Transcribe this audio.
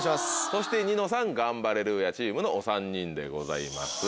そしてニノさんガンバレルーヤチームのお３人でございます。